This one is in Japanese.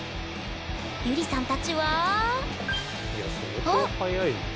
ゆりさんたちはあっ！